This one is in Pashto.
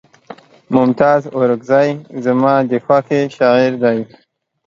ممتاز اورکزے زما د خوښې شاعر دے